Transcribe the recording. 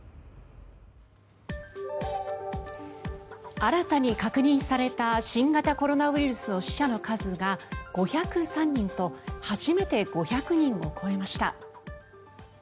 新たに確認された新型コロナウイルスの死者の数が５０３人と初めて５００人を超えました。